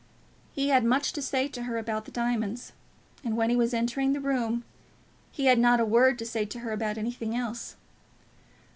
He had much to say to her about the diamonds, and, when he was entering the room, he had not a word to say to her about anything else.